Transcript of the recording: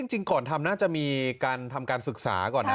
จริงก่อนทำน่าจะมีการทำการศึกษาก่อนนะ